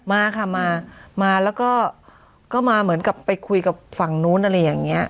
มาค่ะมามาแล้วก็มาเหมือนกับไปคุยกับฝั่งนู้นอะไรอย่างนี้